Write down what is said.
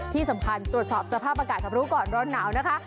ที่สำคัญตรวจสอบสภาพอากาศกับรู้ก่อนร้อนหนาวนะคะ